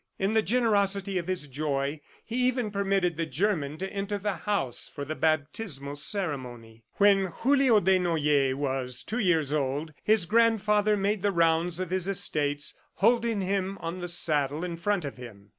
In the generosity of his joy, he even permitted the German to enter the house for the baptismal ceremony. When Julio Desnoyers was two years old, his grandfather made the rounds of his estates, holding him on the saddle in front of him.